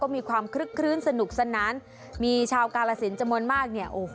มีความคลึ้นสนุกสนานมีชาวกาลสิริมจมนต์มาก